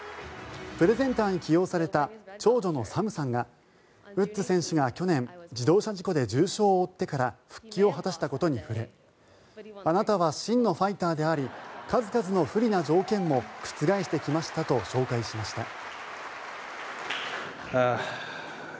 プレゼンターに起用された長女のサムさんがウッズ選手が去年自動車事故で重傷を負ってから復帰を果たしたことに触れあなたは真のファイターであり数々の不利な条件も覆してきましたと紹介しました。